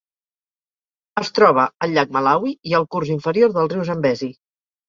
Es troba al llac Malawi i al curs inferior del riu Zambezi.